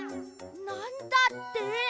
なんだって！？